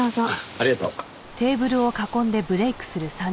ありがとう。